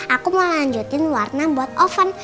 aku mau lanjutin warna buat oven